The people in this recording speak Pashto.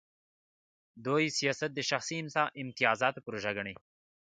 دوی سیاست د شخصي امتیازاتو پروژه ګڼي.